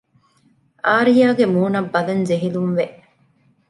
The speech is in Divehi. އާރްޔާގެ މޫނަށް ބަލަން ޖެހިލުންވެ